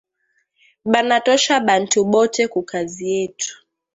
Banatosha bantu bote kukazi yetu